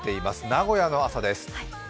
名古屋の朝です。